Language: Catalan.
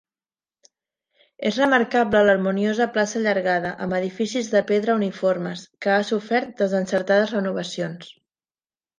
És remarcable l'harmoniosa plaça allargada, amb edificis de pedra uniformes, que ha sofert desencertades renovacions.